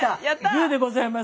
グーでございます。